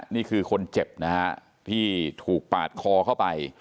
นี่คือคนเจ็บนะฮะที่ถูกปาดคอเข้าไป